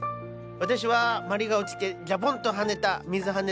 私はまりが落ちてジャボンと跳ねた水はね・